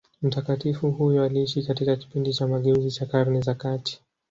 Mtakatifu huyo aliishi katika kipindi cha mageuzi cha Karne za kati.